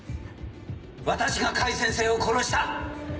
私が甲斐先生を殺した！